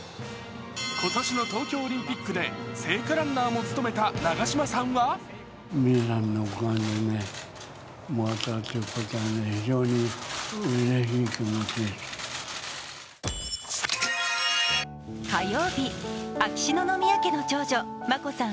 今年の東京オリンピックで聖火ランナーも務めた長嶋さんは火曜日、秋篠宮家の長女・眞子さん